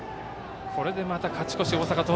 これでまた勝ち越し大阪桐蔭。